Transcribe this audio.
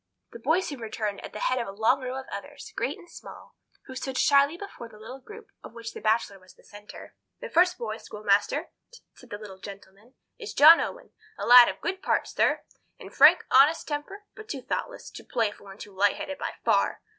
The boy soon returned at the head of a long row of others, great and small, who stood shyly before the little group of which the Bachelor was the centre. "This first boy, schoolmaster," said the little gentleman, "is John Owen; a lad of good parts, sir, and frank, honest temper, but too thoughtless, too playful, too light headed by far.